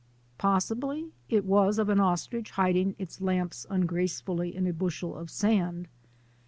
Possibly it was of an ostrich hiding its lamps un gracefully in a bushel of sand.